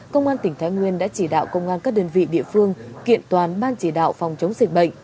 công an tỉnh thái nguyên đã chỉ đạo công an các đơn vị địa phương kiện toàn ban chỉ đạo phòng chống dịch bệnh